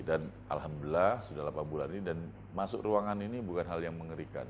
dan alhamdulillah sudah delapan bulan ini dan masuk ruangan ini bukan hal yang mengerikan